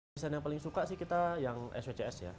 desain yang paling suka sih kita yang swcs ya